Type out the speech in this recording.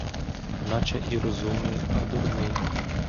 Наче і розумний, а дурний.